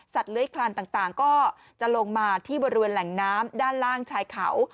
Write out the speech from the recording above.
เลื้อยคลานต่างก็จะลงมาที่บริเวณแหล่งน้ำด้านล่างชายเขา